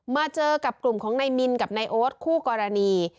มาเจอกับกลุ่มของนายมินกับนายโอ๊ตคู่กรณี